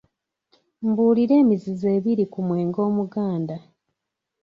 Mbuulira emizizo ebiri ku mwenge omuganda.